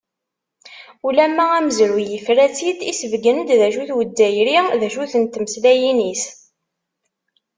Ulamma amezruy, yefra-tt-id, isebggen-d d acu-t Uzzayri, d acu-tent tmeslayin-is.